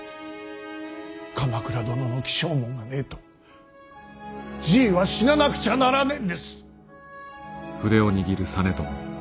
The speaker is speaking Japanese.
鎌倉殿の起請文がねえとじいは死ななくちゃならねえんです。